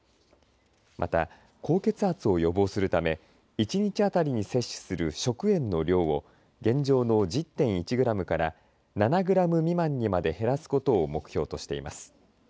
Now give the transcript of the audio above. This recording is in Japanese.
また、高血圧を予防するため１日あたりに摂取する食塩の量を現状の１０．１グラムから７グラム未満にまで減らすことを目標としています。